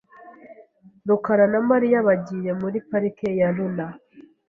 rukara na Mariya bagiye muri parike ya Luna .